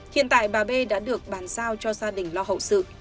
hiện tại bà b đã được bàn giao cho gia đình lo hậu sự